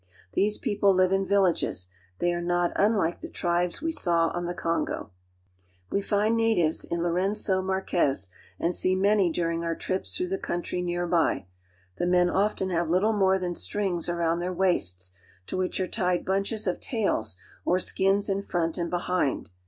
These people live in villages ; they are not ^^H unlike the tribes we saw on the Kongo. ^^H We find natives in Lourcn^o Marquez and see many ^^H during our trips through the country near by. The men ^^H often have little more than strings around theirwaists, to which are tied bunches of tails or skins in front and behind.